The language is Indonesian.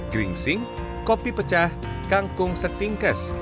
gringsing kopi pecah kangkung setingkes